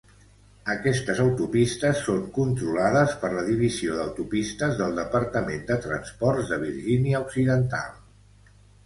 Aquestes autopistes són controlades per la Divisió d"autopistes del Departament de transports de Virginia Occidental.